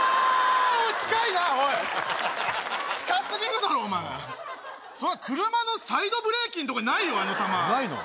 近いなおい近すぎるだろお前車のサイドブレーキのとこにないよあの球ないの？